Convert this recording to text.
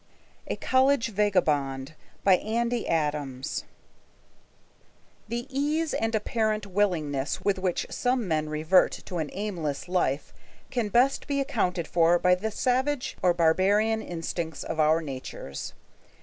V A COLLEGE VAGABOND The ease and apparent willingness with which some men revert to an aimless life can best be accounted for by the savage or barbarian instincts of our natures.